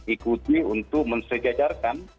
ikuti untuk mensegajarkan